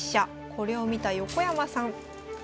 これを見た横山さん。